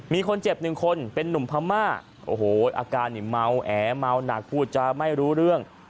มีคนเจ็บหนึ่งคนเป็นนุ่มพม่าโอ้โหอาการนี่เมาแอเมาหนักพูดจาไม่รู้เรื่อง